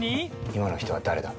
今の人は誰だ？